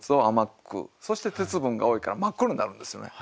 そして鉄分が多いから真っ黒になるんですよね。